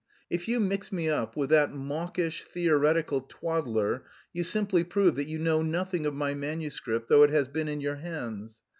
If you mix me up with that mawkish theoretical twaddler you simply prove that you know nothing of my manuscript, though it has been in your hands.